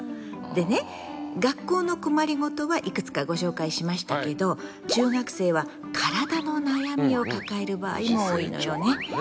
でね学校の困り事はいくつかご紹介しましたけど中学生は体の悩みを抱える場合も多いのよね。